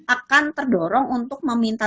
akan terdorong untuk meminta